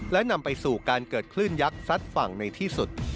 และนำไปสู่การเกิดคลื่นยักษ์ซัดฝั่งในที่สุด